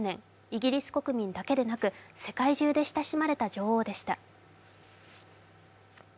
イギリス国民だけでなく世界中で親しまれた女王でした。